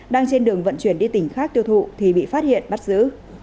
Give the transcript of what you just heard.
đang trên đường vận chuyển đi tỉnh khác tiêu thụ thì bị phát hiện bắt giữ